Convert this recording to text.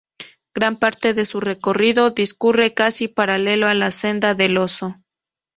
Gran parte de su recorrido discurre casi paralelo a la senda del oso.